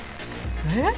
えっ！？